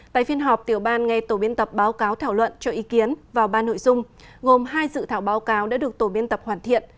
tại phiên họp tiểu ban nghe tổ biên tập báo cáo thảo luận cho ý kiến vào ba nội dung gồm hai dự thảo báo cáo đã được tổ biên tập hoàn thiện